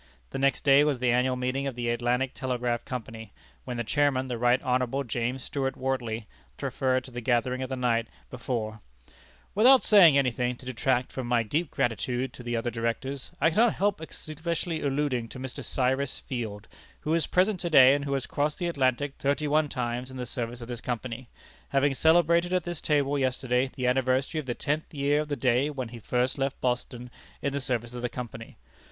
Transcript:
The next day was the annual meeting of the Atlantic Telegraph Company, when the Chairman, the Right Hon. James Stuart Wortley, thus referred to the gathering of the night before: "Without saying any thing to detract from my deep gratitude to the other Directors, I cannot help especially alluding to Mr. Cyrus Field, who is present to day, and who has crossed the Atlantic thirty one times in the service of this Company, having celebrated at his table yesterday the anniversary of the tenth year of the day when he first left Boston in the service of the Company.